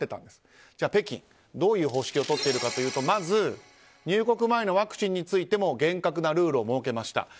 では北京、どういう方式をとっているかというとまず、入国前のワクチンについても厳格なルールを設けました。